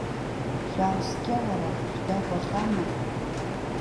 Шәааскьа, уара, шәдагәахама?